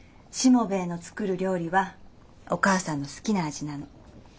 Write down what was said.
しもべえの作る料理はお母さんの好きな味なの。